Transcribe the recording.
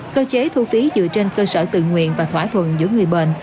cơ chế thu phí dựa trên cơ sở tự nguyện và thỏa thuận giữa người bệnh